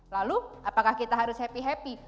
lalu apakah kita harus happy happy